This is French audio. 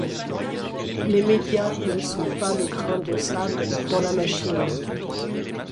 Les médias ne sont pas le grain de sable dans la machine.